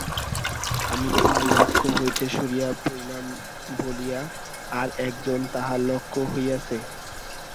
আমি তাহার লক্ষ্য হইতে সরিয়া পড়িলাম বলিয়া আর-এক জন তাহার লক্ষ্য হইয়াছে।